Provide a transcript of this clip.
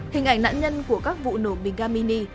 hình ảnh nạn nhân của các vụ nổ bình ga mini